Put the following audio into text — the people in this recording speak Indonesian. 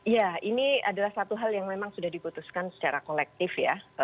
ya ini adalah satu hal yang memang sudah diputuskan secara kolektif ya